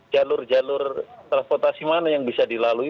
jalur jalur transportasi mana yang bisa dilalui